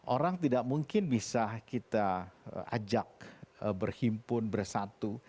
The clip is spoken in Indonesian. orang tidak mungkin bisa kita ajak berhimpun bersatu